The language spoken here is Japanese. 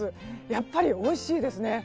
やっぱりおいしいですね。